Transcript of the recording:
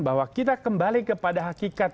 bahwa kita kembali kepada hakikat